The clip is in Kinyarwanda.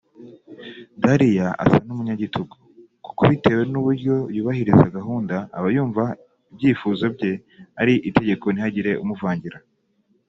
Dalia asa n’umunyagitugu kuko bitewe n’uburyo yubahiriza gahunda aba yumva ibyifuzo bye ari itegeko ntihagire umuvangira